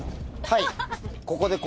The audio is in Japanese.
はい。